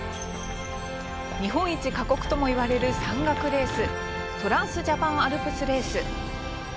日本一過酷ともいわれる山岳レーストランスジャパンアルプスレース。